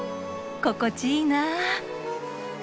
心地いいな。